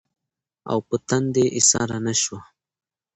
او پۀ تندې ايساره نۀ شوه